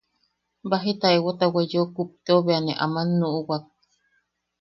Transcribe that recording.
Baji taewata weyeo kupteo bea ne aman nuʼuwak.